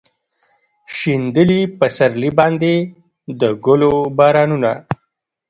شیندلي پسرلي باندې د ګلو بارانونه